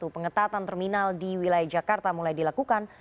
pengetatan terminal di wilayah jakarta mulai dilakukan